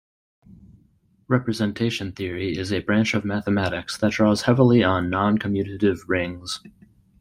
Representation theory is a branch of mathematics that draws heavily on non-commutative rings.